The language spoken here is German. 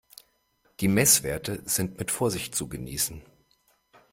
Die Messwerte sind mit Vorsicht zu genießen.